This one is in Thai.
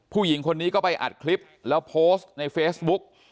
ผู้หญิงคนนี้ก็ไปอัดคลิปแล้วโพสต์ในเฟซบุ๊ก